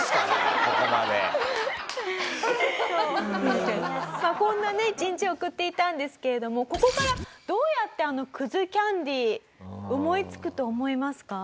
まあこんなね１日を送っていたんですけれどもここからどうやってあのきゃんでぃ思いつくと思いますか？